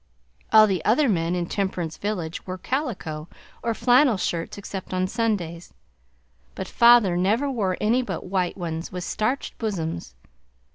All the other men in Temperance village wore calico, or flannel shirts, except on Sundays, but Father never wore any but white ones with starched bosoms.